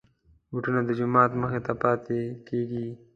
بوټونه د جومات مخې ته پاتې کېږي.